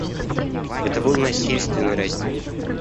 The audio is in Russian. Это был насильственный раздел.